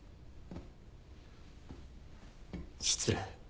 失礼。